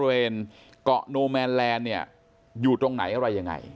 เกาะโนแมนแลนด์เนี่ยอยู่ตรงไหนอะไรยังไง